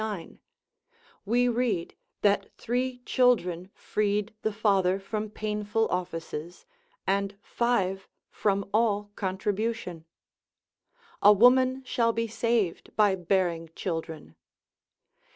We read that three children freed the father from painful offices, and five from all contribution. A woman shall be saved by bearing children.